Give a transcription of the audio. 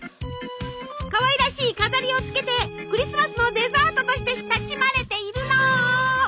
かわいらしい飾りをつけてクリスマスのデザートとして親しまれているの！